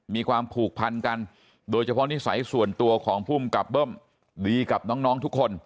มีความผูกพันกันโดยเฉพาะนิสัยส่วนตัวของภูมิกับเบิ้มดีกับน้องทุกคน